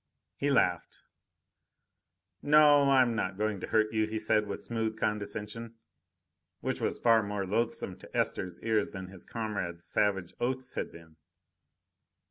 He laughed. "No! I am not going to hurt you," he said with smooth condescension, which was far more loathsome to Esther's ears than his comrades' savage oaths had been.